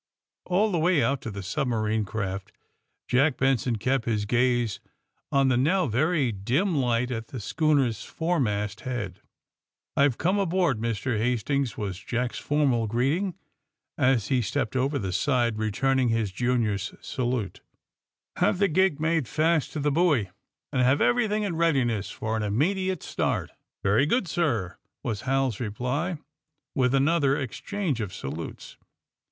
All the way out to the submarine craft Jack Benson kept his gaze on the now very dim light at the schooner's foremast head. ^^IVe come aboard, Mr. Hastings," was Jack's formal greeting, as he stepped over the side, re turning his junior *s salute. ^^Have the gig made fast to the buoy and have everything in readiness for an immediate start." ^^Very good, sir," was HaPs reply, with an other exchange of salutes.